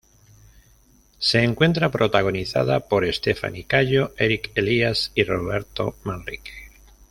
Se encuentra protagonizada por Stephanie Cayo, Erick Elías y Roberto Manrique.